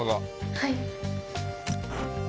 はい。